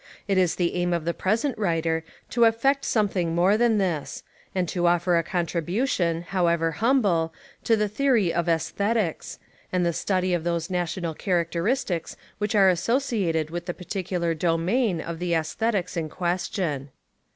It is the aim of the present writer to effect some thing more than this, and to offer a contribu tion, however humble, to the theory of aesthet ics, and a study of those national characteristics which are associated with the particular domain of the aesthetics in question.